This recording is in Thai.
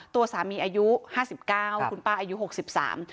ตัวสามีอายุห้าสิบเก้าคุณป้าอายุหกสิบสาม